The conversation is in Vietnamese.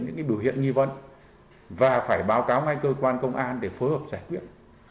những biểu hiện nghi vấn và phải báo cáo ngay cơ quan công an để phối hợp giải quyết